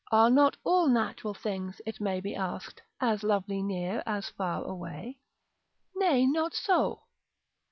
Are not all natural things, it may be asked, as lovely near as far away? Nay, not so.